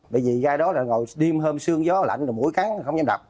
bởi vì gai đó là ngồi đêm hôm sương gió lạnh rồi mũi cắn không nhanh đập